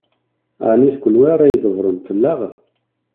Ɛni d kenwi ara ydebbṛen fell-aɣ?